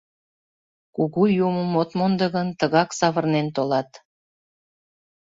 Кугу юмым от мондо гын, тыгак савырнен толат.